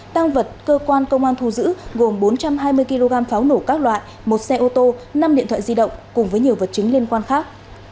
tăng vật cơ quan công an thu giữ gồm bốn trăm hai mươi kg pháo nổ các loại một xe ô tô năm điện thoại di động cùng với nhiều vật chứng liên quan khác